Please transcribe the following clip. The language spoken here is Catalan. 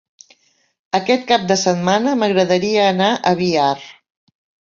Aquest cap de setmana m'agradaria anar a Biar.